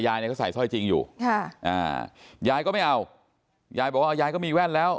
เนี่ยเขาใส่สร้อยจริงอยู่ค่ะอ่ายายก็ไม่เอายายบอกว่ายายก็มีแว่นแล้ว